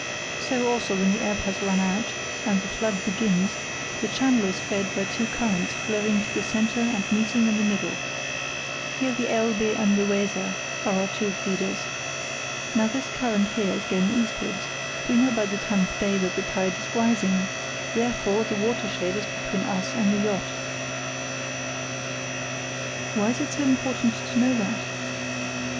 So, also, when the ebb has run out and the flood begins, the channel is fed by two currents flowing to the centre and meeting in the middle. Here the Elbe and the Weser are our two feeders. Now this current here is going eastwards; we know by the time of day that the tide's rising, therefore the watershed is between us and the yacht." "Why is it so important to know that?"